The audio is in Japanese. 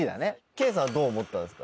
圭さんはどう思ったんですか？